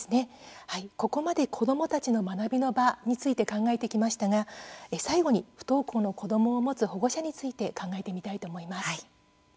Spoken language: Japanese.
ここまで子どもたちの学びの場について考えてきましたが最後に不登校の子どもを持つ保護者について考えてみたいと思います。